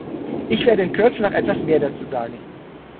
Ich werde in Kürze noch etwas mehr dazu sagen.